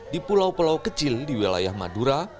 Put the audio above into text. di pulau pulau kecil di wilayah madura